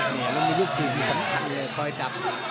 มันมีรูปรูปสำคัญเลยคอยดับ